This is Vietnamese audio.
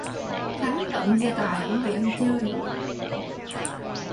Khánh tận gia tài cũng vì ăn chơi